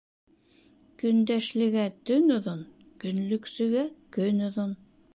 Көндәшлегә төн оҙон, көнлөксөгә көн оҙон.